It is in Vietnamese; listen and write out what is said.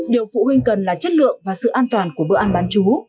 điều phụ huynh cần là chất lượng và sự an toàn của bữa ăn bán chú